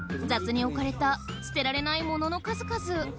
雑に置かれた捨てられないものの数々。